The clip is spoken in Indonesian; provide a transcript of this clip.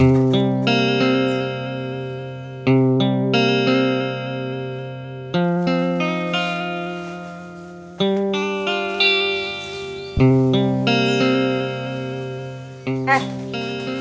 itu tp stagnasi kan